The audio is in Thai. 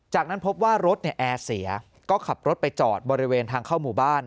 จากนั้นพบว่ารถแอร์เสียก็ขับรถไปจอดบริเวณทางเข้าหมู่บ้าน